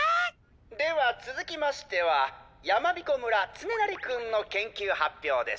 ではつづきましてはやまびこ村つねなりくんの研究発表です。